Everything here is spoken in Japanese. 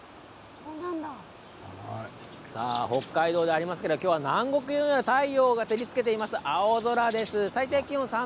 北海道ではありますが今日は南国のような太陽が照りつけています、青空です。